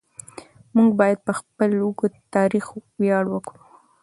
موږ باید پر خپل تاریخ ویاړ وکړو.